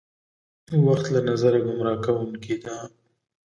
وخت له نظره ګمراه کوونکې ده.